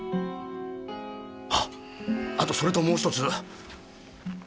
あっあとそれともう１つ。